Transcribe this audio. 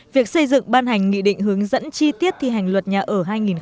việc xây dựng ban hành nghị định hướng dẫn chi tiết thi hành luật nhà ở hai nghìn một mươi bốn